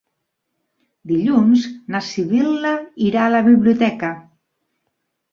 Dilluns na Sibil·la irà a la biblioteca.